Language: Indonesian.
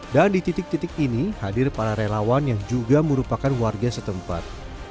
dan di titik titik ini hadir para relawan yang juga merupakan warga setempat